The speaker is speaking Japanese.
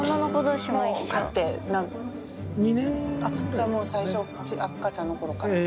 じゃあもう最初赤ちゃんの頃から。